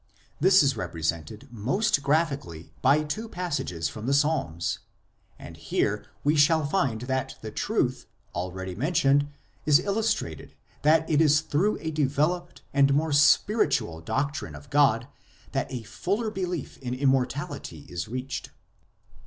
This is represented most graphically by two passages from the Psalms. And here we shall find that the truth, already mentioned, is illustrated that it is through a developed and more spiritual doctrine of God that a fuller belief in Immortality is reached.